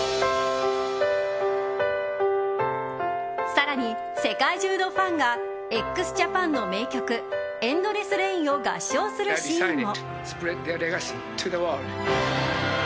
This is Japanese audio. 更に、世界中のファンがＸＪＡＰＡＮの名曲「ＥＮＤＬＥＳＳＲＡＩＮ」を合唱するシーンも。